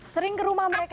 sering ke rumah mereka